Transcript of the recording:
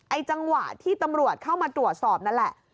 จังหวะที่ตำรวจเข้ามาตรวจสอบนั่นแหละ